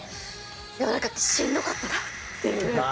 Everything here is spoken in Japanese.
でもなんかしんどかったなっていうか。